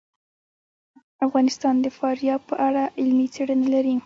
افغانستان د فاریاب په اړه علمي څېړنې لري.